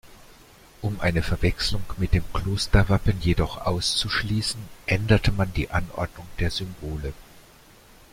Um eine Verwechslung mit dem Klosterwappen jedoch auszuschließen, änderte man die Anordnung der Symbole.